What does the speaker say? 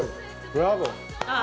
ブラボー。